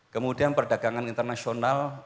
kemudian perdagangan internasional